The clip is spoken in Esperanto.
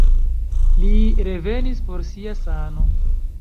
Li revenis por sia sano.